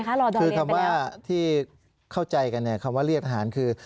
ครับที่เข้าใจกันเนี่ยคำว่าเรียกทหารคือ